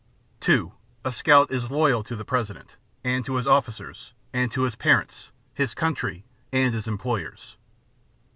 2. A Scout is Loyal to the President, and to his officers, and to his parents, his country, and his employers.